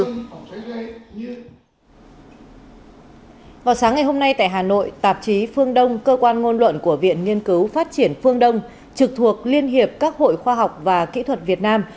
vào sáng ngày hôm nay tại hà nội tạp chí phương đông cơ quan ngôn luận của viện nghiên cứu phát triển phương đông trực thuộc liên hiệp các hội khoa học và kỹ thuật việt nam